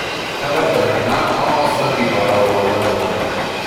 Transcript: However, not all succubi were malevolent.